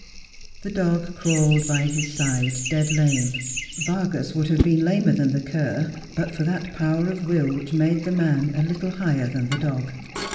The dog crawled by his side dead lame. Vargas would have 1 ieen lamer than the cur but for that power of will which made the man a little higher than the dog.